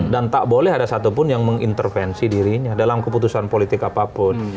dan tak boleh ada satupun yang mengintervensi dirinya dalam keputusan politik apapun